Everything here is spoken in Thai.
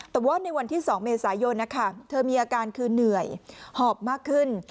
แต่ว่าในวันที่๒เมษายนนะคะเธอมีอาการคือเหนื่อยหอบมากขึ้น